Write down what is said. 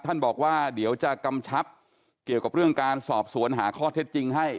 ท่านบอกว่าเดี๋ยวจะกำชับเกี่ยวกับเรื่องการสอบสวนหาข้อเท็จจริงให้